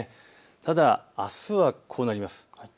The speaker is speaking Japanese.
ただ、あすはこうなります。